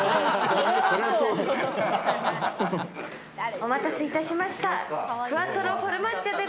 お待たせいたしました。